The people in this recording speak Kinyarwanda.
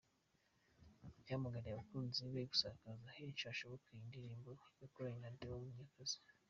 Yahamagariye abakunzi be gusakaza henshi hashoboka iyi ndirimbo yakoranye na Deo Munyakazi.